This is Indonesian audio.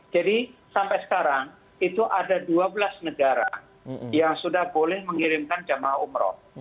jadi sampai sekarang itu ada dua belas negara yang sudah boleh mengirimkan jemaah umroh